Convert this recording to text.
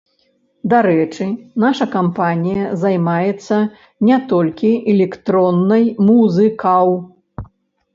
Дарэчы, наша кампанія займаецца не толькі электроннай музыкаў.